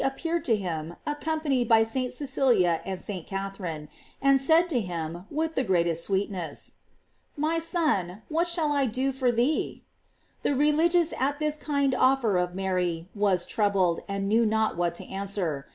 453 ed to him, accompanied by St. Cecilia and St. Catherine, and said to him with the greatest sweetness: "My son, what shall I do for thee?" The religious at this kind offer of Mary was troubled, and knew not what to answer.